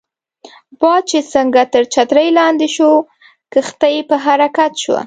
باد چې څنګه تر چترۍ لاندې شو، کښتۍ په حرکت شوه.